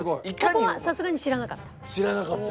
ここはさすがに知らなかった？